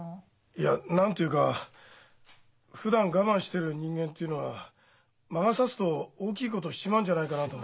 いや何て言うかふだん我慢してる人間っていうのは魔が差すと大きいことしちまうんじゃないかなと。